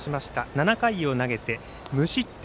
７回を投げて無失点。